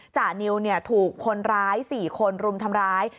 จานิวถูกคนร้าย๔คนรุมทำร้าย